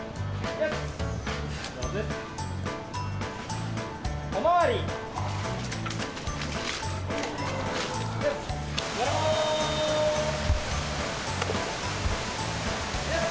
よし。